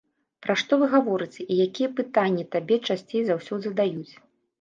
Пра што вы гаворыце, і якія пытанні табе часцей за ўсё задаюць?